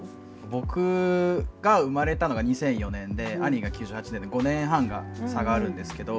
僕が生まれたのが２００４年で兄が９８年で５年半差があるんですけど。